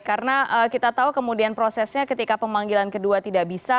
karena kita tahu kemudian prosesnya ketika pemanggilan kedua tidak bisa